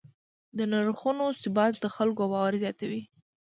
د نرخونو ثبات د خلکو باور زیاتوي.